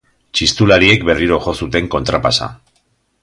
Txistulariek berriro jo zuten kontrapasa